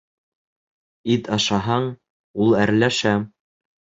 — Ит ашаһаң, ул әрләшә.